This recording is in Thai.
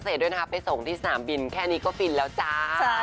เราจะมีอนาคตที่ดีด้วยกันได้ไหมอะไรอย่างนี้